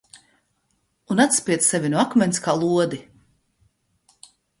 Un atspied sevi no akmens kā lodi!